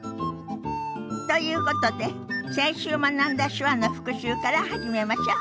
ということで先週学んだ手話の復習から始めましょう。